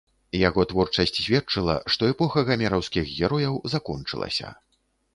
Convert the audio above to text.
Яго творчасць сведчыла, што эпоха гамераўскіх герояў закончылася.